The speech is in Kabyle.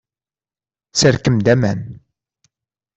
Serkem-d aman.